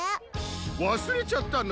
わすれちゃったの？